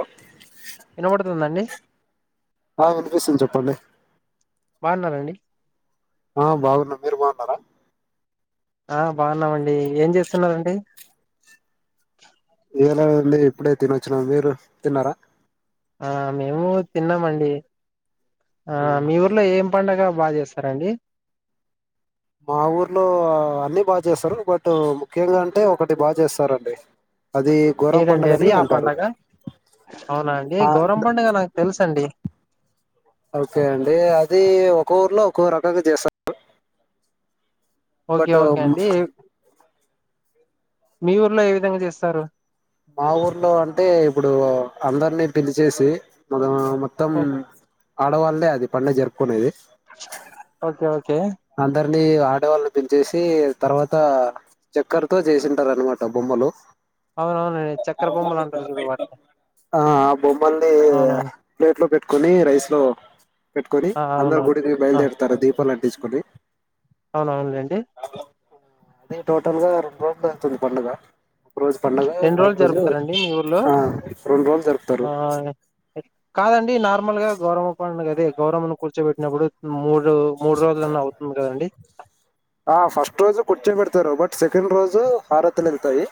Hello వినబడుతుందండి ఆ వినిపిస్తుంది చెప్పండి బన్నారండి ఆ బాగున్న మీరు బాగున్నారా ఆ బాగున్నామండి ఏం చేస్తున్నండి ఏలా ఉంది ఇప్పుడే తినొచ్చిన మీరు తిన్నారా ఆ మేము తిన్నామండి ఆ మీ ఊర్లో ఏం పండుగ బాగా చేస్తారంండి మా ఊర్లో అన్ని బాగా చేస్తారు బట్ ముఖ్యంగా అంటే ఒకటి బాగా చేస్తారండి అది ఘోరం ఏదండి పండుగని అది ఆ అంటారు పండగ అవునా అండి ఆ గౌరం ద- పడుగ నాకు తెలుస అండి ఓకే అండి అది ఒక ఊర్లో ఒక్కొ రకంగా చేస్తారు ఓకే బట్ ఓకే అండి మీ ఊర్లో ఏ విధంగా చేస్తారు మా ఊర్లో అంటే ఇప్పుడు అందరినీ పిల్లిచేేసి మం మొత్తం ఓ- ఆడవాళ్ళలే అది పడుగ జరుపుకునేది ఓకే ఓకే అన్ని ఆడవాళ్ళని పెంచేసి తర్వాత చక్కర్తో చేసింటారు అనమాట బొమ్మలు అవునవునండి చక్కర బొమ్మలు అంటారు చూడవాటిని ఆ ఆ బొమ్మల్ని ప్లేట్ లో పెట్ పెట్టుకొని రైస్ లో పెట్టుకొని ఆ అవును అందరు గుడికి ఆ బయలుదేరతారు దీపాలు అటించుకొని అవునవునులేండి అదే టోటల్ గా రెండు రోజులు అవుతుంది పండుగ ఒక రోజు పడుగ రెండు రోజులు జరుపుతారండి మీ ఊర్లో ఆ రెండు రోజులు ఆ జరుపుతారు కాదండి నార్మల్ గా గౌరవ పండుగదే గౌరవను కూర్చోబెట్టినప్పుడు మూడు మూడు రోజులన్నా అవుతుంది కదండి ఆ ఫస్ట్ రోజు కుర్చుబడత ారు బట్ సెకెండ్ రోజు హారత్లి ఇర్తాయి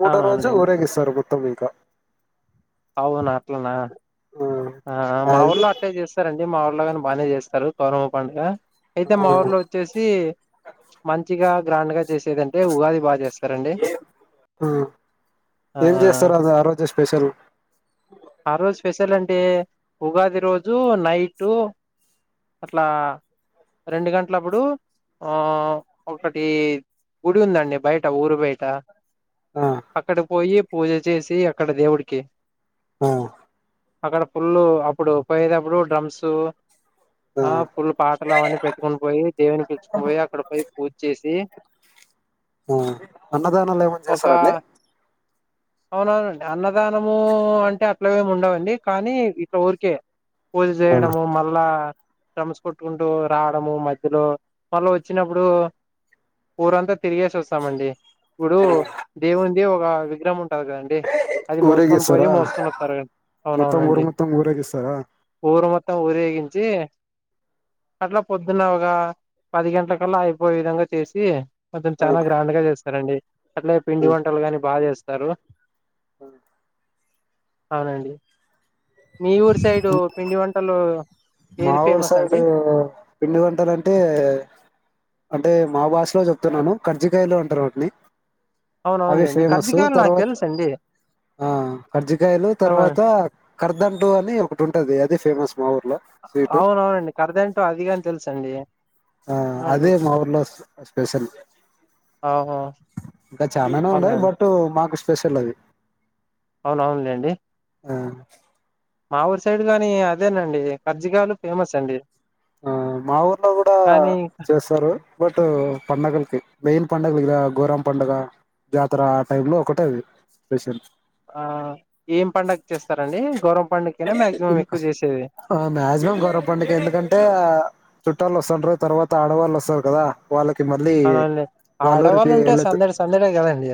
మూటో రోజు అవునవునులేండి ఊరేగిస్తారు మొత్తం ఇంక అవు నాట్లానా ఆ మా అది ఊళ్ళ అట్టే చేస్తారంండి మా ఊర్లో ని బాగానే చేస్తారు కౌరమ పండుగ అయితే ఆ మా ఊర్లో వచ్చేసి మంచిగా గ్రాండ్ గా చేసేదంటే ఉగాది బాగా చేస్తారండి ఆ ఆ ఏం చేస్తారు అది ఆ రోజు స్పెషల్ ఆ రోజ అంటే ఉగాది రోజు నైట్ అట్లా రెండు గంటల అప్పుడు ఆ ఒకటి గుడి ఉందండి బయట ఊరు బయట ఆ అక్కడ పోయి పూజ చేసి అక్కడ దేవుడికి ఆ అక్కడ ఫుల్లు అప్పుడు పోయేటప్పుడు డ్రమ్స్ ఆ ఫూల్ పాటలు అవన్నీ పెట్టుకుని పోయి దేవిని పిలుచుకుని పోయి అక్కడ పోయి పూజ చేసి అన్నదానాలు ఏమన్నా ఒక చేస్తారంండి అవునవునండి అన్నదానము అంటే అట్లవేమి ఉండవండి కానీ ఇట్లా ఊరికే పూజ ఆ చేయడము మళ్ళా డ్రమ్స్ కొట్టుకుంటూ రావడము మధ్యలో మళ్ళ వచ్చినప్పుడు ఊరంతా తిరిగేసి వస్తామండి ఇప్పుడు దేవుంది ఒక విగ్రహం ఉంటు కాదు కదండి అది మోసుకొని పోయి ఊరేగిస్తారా మోసుకొని వస్తారుడి మొత్తం ఊరు అవునవునండి మొత్తం ఊరేగిస్తారా ఊరు మొత్తం ఊరేగించి అట్లా పొద్దున్న ఒకగా పది గంటల కల్లా అయిపోయే విధంగా చేసి కొంచం చాలా గ్రాండ్ గా చేస్తారండి అట్లా పిండి వంటలు గాని బాగా చేస్తారు [inaudible] అవునండి మీ ఊరు సైడు పిండి వంటలు మా ఏది ఊరు ఫేమస్ సైడ్ అండి పిండి వంటలు అంటే అంటే మా భాషలో చెప్తున్నాను కర్జికయలో అంటారు వాటిని అవి అవునవునులేండి ఫేమస్ కర్జికాయలు నాకు తర్వాత తెలుసండి ఆ కర్జికయలు అవున తర్వాత కర్దంటు అని ఒకటి ఉంటది అది ఫేమస్ మా ఊర్లో స్వీట్ అవునవునండి కరదంటో అది గాని తెలుస్ అండి ఆ అదే మాఊర్లో స్పెషల్ ఆహా ఇంకా చాలానే ఉన్నాయి అవునండి బట్ మాకు స్పెషల్ అవి అవున అవునులేండి ఆ మా ఊరు సైడ్ గాని అదేనండి కార్జికయలు ఫేమస్ అండి ఆ మా ఊర్లో కూడా కానీ చేస్తారు బట్ పండగలకి మెయిన్ పండగ [unintelligible] గుర్రం పంండగ జాతర ఆ టైమ్ లో ఒకటేది స్పెషల్ ఆ ఏం పండగ్ చేస్తారండి గౌరం. హా మాక్సిమం గురం పండగే ఎందుకంటే. చుట్టాలు వస్తండ్రు తర్వాత ఆడవాళ్ళు వస్తారు కదా. వాళ్ళకి మళ్ళీ అవునండి వాళ్ళ ఆడవాళ్ళు ఊరికి ఉంటే వెళ్ళదు. సందడి సందడే కదండి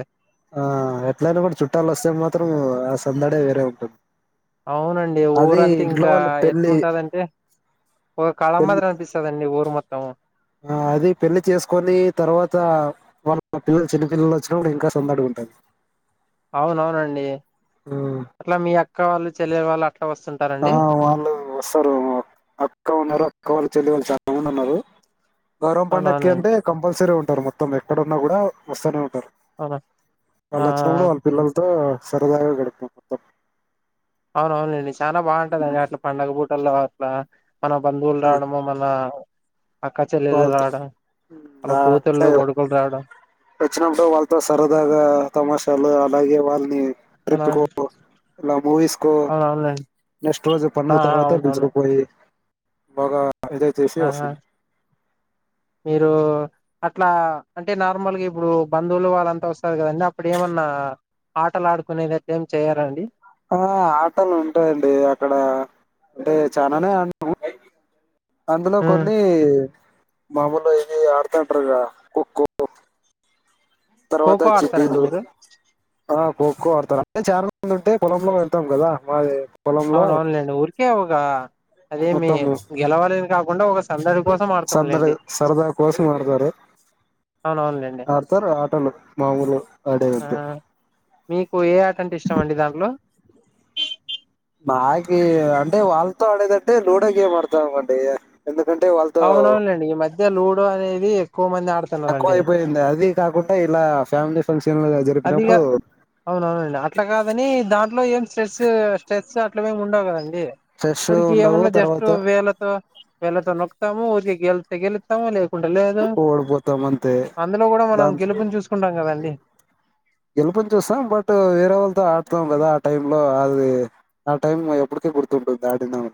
ఆ ఎట్లైన కూడా చుట్టాలు వస్తే మాత్రం ఆ సందడే వేరే ఉంటుంది. అవునండి అది ఊరంతా ఇంట్లో ఇంకా వాళ్ళు పెళ్లి ఎట్లుంటదంటే. ఒక కలా మాదిరీ అనిపిస్తదండి ఊరు మొత్తం. ఆ అది పెళ్లి చేసుకొని తర్వాత వాళ్ళ పిల్లలు చిన్నపిల్లలు వచ్చినా కూడా ఇంకా సందడిగా ఉంటది. అవునవునండి అట్లా మీ అక్క వాళ్ళు చెల్లెల వాళ్ళ అట్లా వస్తుం. ఆహా వాళ్ళు వస్తారు అక్క ఉన్నారు అక్క వాళ్ళు చె. లిల్లూ చాలామంది ఉన్నారు గౌరం పండక్కి అవునవునండి అంటే కంపల్సరీ ఉం. టారూ మొత్తం ఎక్కడున్నా కూడా వస్తానే ఉంటారు అవునా ఆ వాళ్ళు వచ్చినప్పుడు వాళ్ళ పిల్లల్తో. సరదాగా గడుపుతాం మొత్తం. అవును అవునులేండి చాలా బావుంటది అది అట్లా పండగ పూటల్లో అట్లా. మన బంధువులు ఆ, రావడము మన. అక్క చెల్లెలు వాళ్ళతో రావడం [unintelligible] వాళ్ళ అట్లే కూతుళ్ళు కొడుకులు రావడం వచ్చినప్పుడు వాళ్ళతో సరదగా తమాషాలు అలాగే వాళ్ళని. ట్రిప్ కో అవునవును ఇలా మూవీస్కో అవునవునండి నెక్స్ట్ రోజు ఆ పండుగ ఆ తర్వాత అవునవును పిలుచుకుపోయి బాగా ఇదై తీసి వస్తుంది. మీరూ అట్లా అంటే నార్మల్గా ఇప్పుడు బంధువులు వాళ్ళంతా వస్తారు కదండి అప్పుడు ఏమన్. న్నా ఆటలాడుకుణేటట్టు ఏమి చెయ్యరండి. ఆ ఆటలు ఉంటాయండి అక్కడ అంటే చాలనే ఆడ్నామూ. అందులో కొన్నీ మామూలు ఇది ఆడుతంటారుగా ఖోఖో. తర్వాత ఖోఖో వచ్చి ఆడతారండి మీరు [unintelligible] ఆ ఖోఖో ఆడతారా అంటే చాలా మంది ఉంటే పొలంలో వెళ్తాం గదా మా. అవునవునులేండి ఊరికేఓగా అదేమి గెలవాలే. సందరీ సరదా కోసం ఆడతారు. అవునవునులేండి ఆడతారు ఆటలు మా ఊర్లో ఆడెదైతే. ఓ ఏ ఆట అంటే ఇష్టం అండి దాంట్లో. నాకీ అంటే వాళ్ళతో ఆడేదట్టే లూడో గేమ్ ఆడతామండి. ఎందుకంటే వాళ్ళతో అవునవునులెండి ఈ మధ్య లూడో అనేది. ఎక్కువ మంది తక్కువ ఆడుతున్నారండి అయిపోయింది అదీ కాకుండా ఇలా ఫ్యామిలీ ఫంక్షన్. అదిగా జరిపినప్పుడు అవునవునండి అట్లా కాదని దాంట్లో ఏం. స్ట్రెస్ స్ట్రెస్ అట్ల ఏమి ఉండంగదండి ఫ్రెష్ ఊరికే ఉండవు ఏమన్నా జస్ట్ తర్వాత వేళ్ళతో వెళ్లతో నొక్కు తాము ఊరికే గెలిత్తే గెలుత్తము లే కుంట లేదు ఓడిపోతాం అంతే అందులో కూడా మనం గెలుపుని చూసుకుంటాం కదండి. గెలుపునిచూసం బట్ వేరే వాళ్ళతో ఆడుతాం కదా ఆ టై లో అది ఆ టైం ఎప్పుడు [unintelligible] దాటినం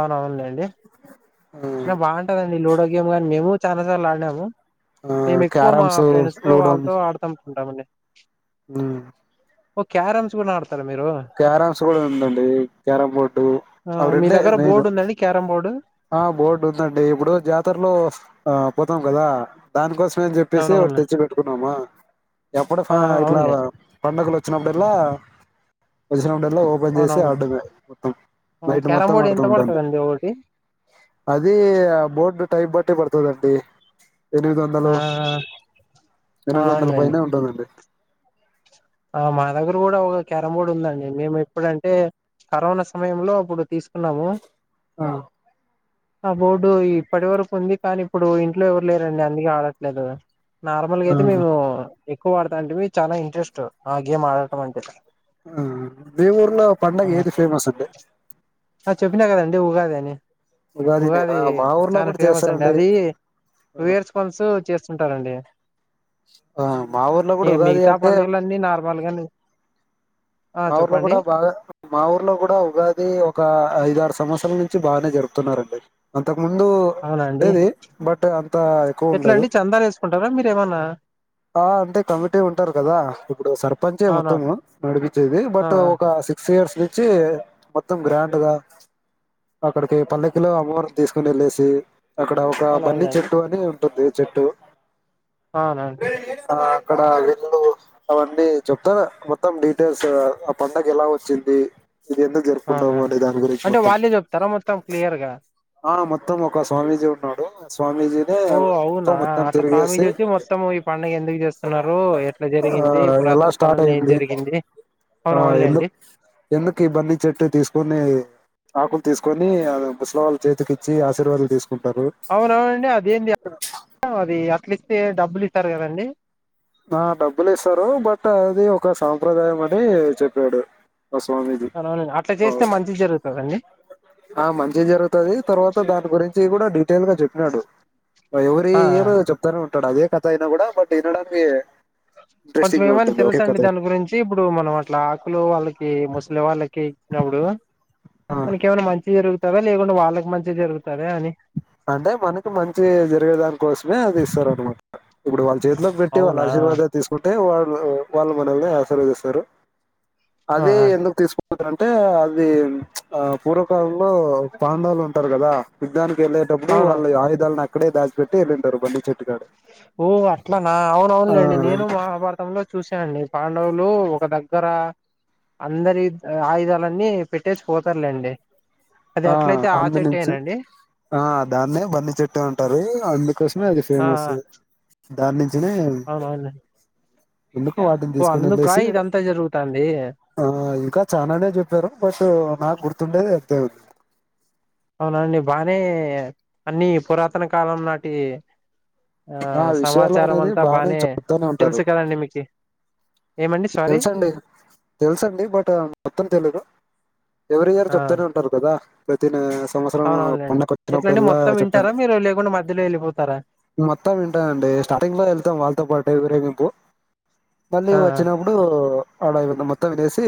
అవునవులేండి అ బాంటదండి లూడో గేమ్ కాని మేము చాలా సార్లు ఆడినము ఆ మేమె ఏక్కువ మా క్యారమ్స్ ఫ్రెండ్స్ తో వాళ్ళతో ఆడతాంటంలే. ఊ ఓ క్యారమ్స్ కూడా ఆడ క్యారమ్స్ కూడా ఉందండి క్యారం బోర్డు ఆ అవి మీ రెండే దగ్గర మెయిన్ బోర్డు ఉందండి క్యారం బోర్డు ఆ బోర్డు ఉందండి ఇప్పుడు జాతర్లో ఆ పోతాం గదా దానికోసం పేరుజెప్పేసి ఒకటి అవునవును తెచ్చి పెట్టుకున్నామా గప్పుడు ఆ ఫ ఆ, ఇట్లా అవునులే పండగలోచినప్పుడల్ల వచ్చినప్పుడల్లా ఓపెన్ చేసి అవునవును ఆడటమే మొత్తం ఆ, నైట్ క్యారమ్ మొత్తం బోర్డు ఎంత ఆడుతుంటాం పడుతదండి ఒకటి అది బోర్డు టైప్ బట్టి పడుతాదండి ఎనిమిది ఆ వందలు ఆ ఎనిమిది వందల అవునులేండి పనే ఉంటదండి ఆ మా దగ్గర కూడా ఒక క్యారం బోర్డ్ ఉందండి మేము ఎప్పుడంటే కరోనా సమయంలో అప్పుడు తీసుకున్నాము ఆ ఆ బోర్డు ఇప్పటి వరకు ఉంది కానీ ఇప్పుడు ఇంట్లో ఎవరు లేరండి అందుకే ఆడట్లేదు నార్మల్గా ఆ అయితే మేము ఎక్కువ అడతంటిమీ చాలా ఇంట్రెస్ట్ ఆ గేమ్ ఆడటం అంటే ఆ మీ ఊర్లో పండగ ఆ ఏది ఫేమస్ అండి అంటే ఉగాది అని ఉగాది నేనా మా ఊర్లో చాలా కూడా ఫేమస్ అండి చేస్తారండి అది వేర్స్ కొన్సు చేస్తుంటారండి ఆ మా ఊర్లో కూడా ఉగాది అంటే వాళ్ళు గానీ మా ఊర్లో కూడా బాగా మా ఊర్లో కూడా ఉగాది ఒక ఐద ఆరు సంవత్సరాల నుంచి నుంచి బాగానే జరుపుతున్నారండి అంత ముందు అవునండి ఉండేది బట్ అంత ఎక్కువ ఎట్లా ఉండదు అండి చందాలు వేసుకుంటారా మీరేమన్నా ఆ అంటే కమిటీ ఉంటారు కదా ఇప్పుడు సర్పంచే అవునా మొత్తము నడిపి ది ఆ ఆ బట్ ఒక సిక్స్ ఇయర్స్ నుంచి మొత్తం గ్రాండ్గా అక్కడికి పల్లెకిలో అమ్మవారిని తీసుకుని వెళ్ళేసి అక్కడ ఒక బన్నీ అవునవునండి చెట్టు అని ఉంటుంది చెట్టు అవున ఇక్కడ వీళ్లు అవన్నీ చెప్తాన మొత్తం అంటే స ఆ పందగ ఎలా వచ్చింది ఇది ఎందు ఆ ఆ! జరుపుకుంటాము అనే దాని గురించి అంటే మొత్తం వాళ్ళే చెప్తారా మొత్తం క్లియర్ గా ఆ మోత్త త్తం ఒక స్వామీజీ ఉన్నాడు స్వామీజీనే ఓ ఊరు అవునా మొత్తం అట్లా స్వామీజీ తిరిగేసి వచ్చి మొత్తం ఈ పండుగ ఎందుకు చేస్తున్నారు ఎట్లా ఆ జరిగింది ఎలా పురాతన స్టార్ట్ కాలంలో ఏం అయింది జరిగింది అవున ఆ ఎందు అవునులేండి ఎందుకు బన్నీ చెట్టు తీసుకొని ఆకులు తీసుకొని అ ముసల వాళ్ళ చేతికి ఇచ్చి ఆశీర్వాదాలు తీసుకోనీ అవునవుండి అది ఏంది అది అట్లా ఇస్తే డబ్బులు ఇస్తారు కదండి. ఆ డబ్బులు ఇస్తారు బట్ అది ఒక సాంప్రదాయం అని చెప్పాడు మా స్వామీజీ. అవునవునండి అట్లా చేస్తే మంచిది జరుగుతదండీ ఆ మంచి జరుగుతది తర్వాత దాని గురించి కూడా టేల్ గా చెప్పినాడు ఎవరీ ఆ ఆ. ఇయర్ చెప్తానే ఉంటాడు అదే కథ అయినా కూడా బట్ వినడాని వే అ కొంచెం ఏమైనా తెలుస అండి దాని గురించి ఇప్పుడు మనం అట్లా ఆకులు వాళ్ళకి ముసలి వాళ్ళకి ఇచ్చినప్పుడు ఆ! మనకేమైన్నా మంచిగా జరుగుతుందా లేకుండా వాళ్ళకి మంచిగా జరుగుతుంది అంటే మనకి మంచి జరిగేదాని కోసమే అది ఇస్తార అనమాట ఇప్పుడు వాళ్ళ చేతిలోకి పెట్టి వాళ్ళ అవునా ఆశీర్వాదాలు తీసుకుంటే వాళ్ వాళ్ళు మనల్ని ఆశర్వదిస్తారు ఆ ఆ అదే ఎందుకు తీసుకు ంటే అది ఆ పూర్వకాలంలో పండవులు ఉంటారు కదా యుద్దానికి వెళ్ేటప్పు అవును వాళ్ళ ఆయుధాలను అడ దాచి పెట్టి వెళ్ళంటారు బళ్లి చెట్టు ఓ అట్లా నా అవున ఆ అవునులేండి నేను మహాభారతంలో చూసానునండి పాండవు లు ఒక దగ్గర అందరి ఆయుధాలన్నిీ పెట్టేసి పోతారులేండి అది ఆ ఎట్లయితే అందు నుంచి చెట్టేనండి ఆ దాన్నే బన్నీ చెట్టు ఉంటారు అందుకోసమే అది ఆ దాన్ని అవు అను ఎందుకు వాటిని తీసుకుని వెళ్ళసి ఇదంతా జరుగుతాంది ఆ ఇంకా చానానే చెప్పారు బట్ నాకు గుర్తుండేది ఉంది అవునండి బానే అన్నిీ పురాతన కాలం నాటి ఆ విషయాలు సమాచారం అనేది అంతా బాగానే బానే చెప్తానే ఉంటారు తెల్సు కారండి నిమికి తెలుసండి తెలుసండి బట్ మొత్తం తెలిదు ఎవ్రీ ఇయర్ ఆ చెప్తూనే ఉంటారు కదా ప్రతి సంవత్సరం అవునవునులేండి పండగ వచ్చినప్పుడు ఎట్లండి ఎల్లా మొత్తం వింటారా చెప్ండి మీరు లేకుండా మధ్యలో వెళ్ళిపోతారా మొత్తం వింటాండి స్టార్టింగ్ లో వెళ్తాం వాళ్ళతో పాటు విరేగింపు మళ్ళీ ఆ వచ్చినప్పుడు అదా ఇధ మొత్తం వినేసి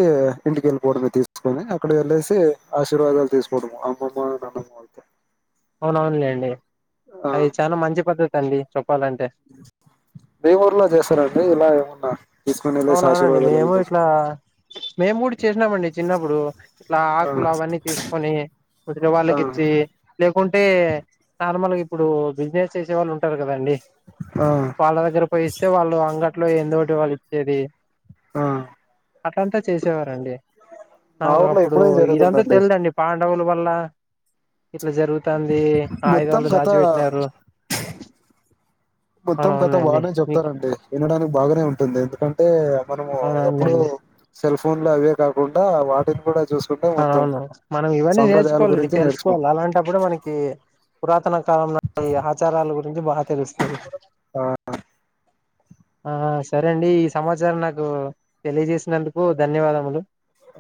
ఇంటికి వెళిపోవడమే తీసుకొని అక్కడ వెళ్ళసి ఆశీర్వాదాలు తీసుకోవడం అమ్మమ్మ నాన్నమ్మ అవునవునులేండి అది చాలా మంచి పద్ధతి అండి చెప్పాలంటే దే ఊర్లో చేస్తారంటడి ఇలా ఏమున్నా అవునవునండి మేము ఇట్లా మేము కూడా చేసినామండి చిన్నప్పుడు ఇట్లా ఆ ఆకులుకు ఇవన్నీ తీసుకొని వదినా వాళ్ళకి ఇచ్చి ఆ లేకుంటే నాన్నమ్మల్ ఇప్పుడు బిజినెస్ చేసే వాళ్ళు ఉంటారు కదండి ఆ వాళ్ళ దగ్గర పో ఇస్తే వాళ్ళు అంగ ఇట్ ఎందోటి వాళ్ళు ఇచ్చేది ఆ అట్లాతా చేసేవారంండి మా నాకు ఊర్లో అప్పుడు ఎప్పుడూ ఇదంతా జరుగుతుందండి తెలిదండి పాండవులు వళ్ళ ఇట్లా జరుగుతుంది మొత్తం ఆయుధళ్లు గత దాచిపెట్టినారు మొత్తం కథ అవునవునులేండి బాగానే మీకు చెప్తారండి వినడానికి బాగానే ఉంటుంది ఎందుకంటే మనము ఎప్పుడుూ అవునవునులేండి సెల్ ఫోన్ లో అవే కాకుండా వాటిని కూడా చూసుకుంటే మొత్తం అవును మనం ఇవన్నీ సాంప్రదాయాల నేర్చుకోవాలండి గురించి తెలుసుకోవాలి నేర్చుకుంటాం అలాంటప్పుడు మనకి పురాతన కాలంంలో ఈ ఆచారాల గురించి బాగా తెలుస్తుంది ఆ ఆ సరే అండి ఈ సమాచారం నాకు తెలియజేసినందుకు ధన్యవాదములు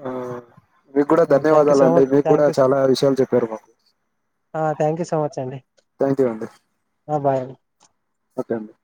ఆ మీకు కూడా థ్యాంక్ యూ సో ధన్యవాదాలండి మచ్ మీకు థ్యాంక్ కూడా యూ చాలా విషయాలు చెప్పారు మాకు థ్యాంక్ యూ సో మచ్ అండి థ్యాంక్ యూ అండి బాయ్ ఓకే అండి